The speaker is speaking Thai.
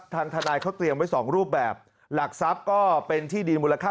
ทางทนายเขาเตรียมไว้สองรูปแบบหลักทรัพย์ก็เป็นที่ดีมูลค่า